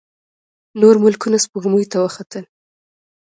نور ملکونه سپوږمۍ ته وختل.